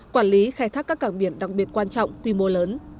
quản lý khai thác các cảng biển đặc biệt quan trọng quy mô lớn